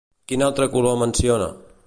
Quin altre color menciona?